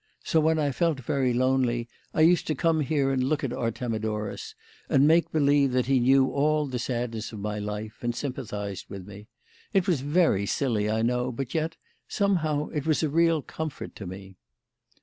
So when I felt very lonely, I used to come here and look at Artemidorus and make believe that he knew all the sadness of my life and sympathised with me. It was very silly, I know, but yet, somehow it was a real comfort to me."